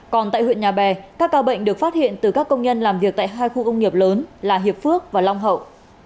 còn tại huyện nhà bè các ca bệnh được phát hiện từ các công nhân làm việc tại hai khu công nghiệp lớn là hiệp phước và long hậu